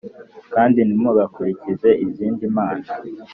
kandi ntimugakurikire izindi mana